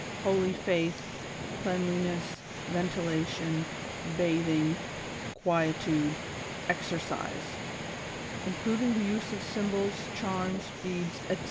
holy faith, cleanliness, ventilation, batiiing, quietude, exercise ; including the use of symbols, charms, beads, etc.